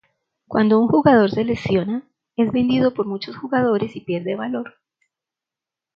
Cuando un jugador se lesiona, es vendido por muchos jugadores y pierde valor.